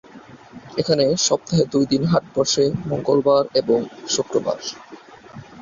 এখানে সপ্তাহে দুইদিন হাট বসে, মঙ্গলবার এবং শুক্রবার।